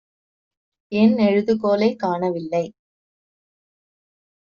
என் எழுதுகோலைக் காணவில்லை.